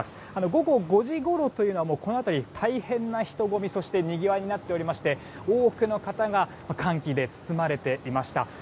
午後５時ごろはこの辺り、大変な人混みそしてにぎわいになっておりまして多くの方が歓喜で包まれていました。